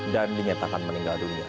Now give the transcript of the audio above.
dan dinyatakan meninggal dunia